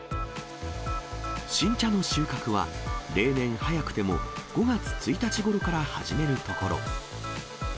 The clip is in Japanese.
新茶の収穫は、例年、早くても５月１日ごろから始めるところ。